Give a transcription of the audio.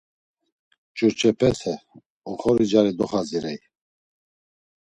Ç̌urç̌epete… Oxori cari doxazirey.